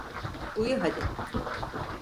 Uyu hadi.